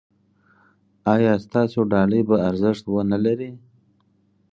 ایا ستاسو ډالۍ به ارزښت و نه لري؟